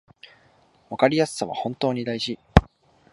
わかりやすさは本当に大事